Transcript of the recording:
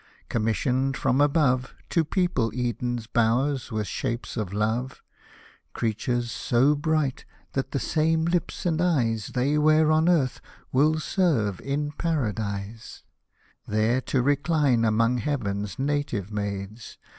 — commissioned from above To people Eden's bowers with shapes of love, (Creatures so bright, that the same lips and eyes They wear on earth will serve in Paradise,) There to recline among Heaven's native maids.